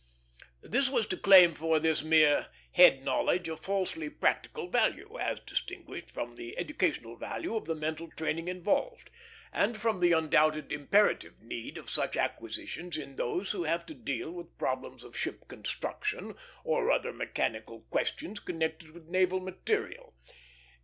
This was to claim for this mere head knowledge a falsely "practical" value, as distinguished from the educational value of the mental training involved, and from the undoubted imperative need of such acquisitions in those who have to deal with problems of ship construction or other mechanical questions connected with naval material.